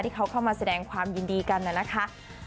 ที่เขาเข้ามาแสดงความยินดีกันนะคะ